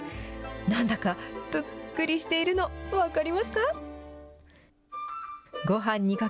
なんだかぷっくりしているの、分かりますか？